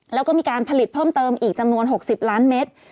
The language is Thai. แล้วก็มีการผลิตเพิ่มเติมอีกจำนวน๖๐ล้านเมตร